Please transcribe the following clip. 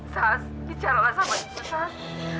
sas bicara sama ibu sas